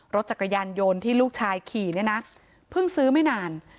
รถจักรยานยนต์ที่ลูกชายขี่เนี่ยนะเพิ่งซื้อไม่นาน